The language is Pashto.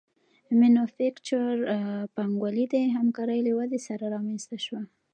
مینوفکچور پانګوالي د همکارۍ له ودې سره رامنځته شوه